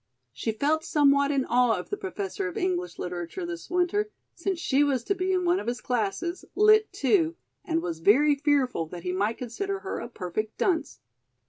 She felt somewhat in awe of the Professor of English Literature this winter, since she was to be in one of his classes, Lit. II, and was very fearful that he might consider her a perfect dunce.